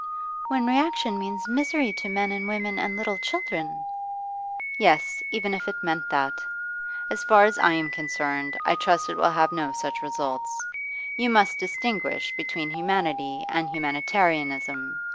'When reaction means misery to men and women and little children?' 'Yes, even if it meant that. As far as I am concerned, I trust it will have no such results. You must distinguish between humanity and humanitarianism.